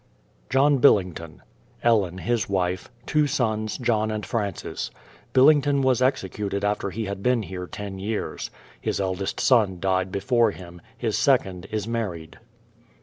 JOHN BILLINGTON; Ellen, his wife; two sons, John and Francis. Billington was executed after he had been here ten years. His eldest son died before him; his second is married.